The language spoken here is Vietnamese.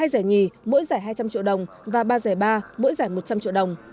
hai giải nhì mỗi giải hai trăm linh triệu đồng và ba giải ba mỗi giải một trăm linh triệu đồng